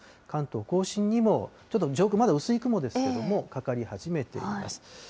関東甲信にも、ちょっと上空、まだ薄い雲ですけれども、かかり始めています。